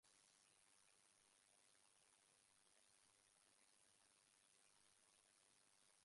Others in the cast were William Conrad, Bea Benaderet and Jay C. Flippen.